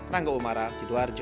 rangga umara sidoarjo